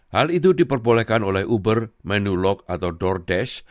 hal itu diperbolehkan oleh uber menu lock atau doordash